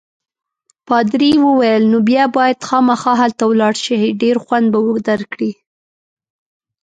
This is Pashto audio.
پادري وویل: نو بیا باید خامخا هلته ولاړ شې، ډېر خوند به درکړي.